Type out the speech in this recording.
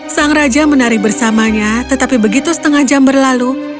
sang raja menari bersamanya tetapi begitu setengah jam berlalu